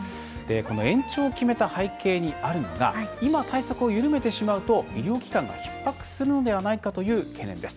延長を決めた背景にあるのが今、対策を緩めてしまうと医療機関がひっ迫するのではないかという懸念です。